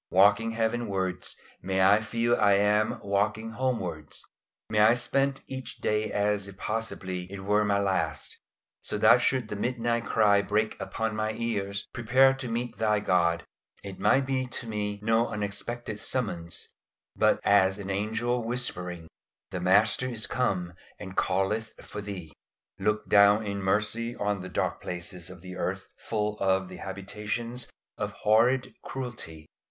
Walking heavenwards, may I feel I am walking homewards. May I spend each day as if possibly it were my last, so that should the midnight cry break upon my ears, "Prepare to meet Thy God," it might be to me no unexpected summons, but as an angel whispering, "The Master is come and calleth for thee." Look down in mercy on the dark places of the earth full of the habitations of horrid cruelty.